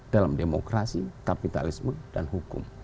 dalam demokrasi kapitalisme dan hukum